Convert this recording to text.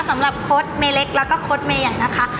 สำหรับโค้ดเมเล็กแล้วก็โค้ดเมใหญ่นะคะ